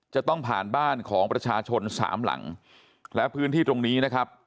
จะต้องผ่านบ้านของประชาชนสามหลังและพื้นที่ตรงนี้นะครับ